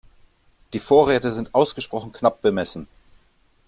Die Vorräte sind ausgesprochen knapp bemessen.